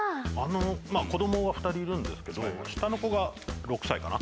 子供が２人いるんですけど、下の子が６歳かな。